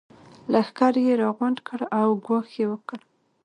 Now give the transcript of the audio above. لښکر يې راغونډ کړ او ګواښ يې وکړ.